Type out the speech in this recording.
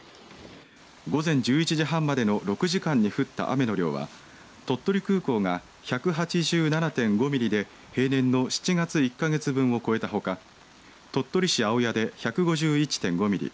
午前１１時半までの６時間に降った雨の量は鳥取空港が１８７．５ミリで平年の７月１か月分を超えたほか鳥取市青谷で１５１．５ミリ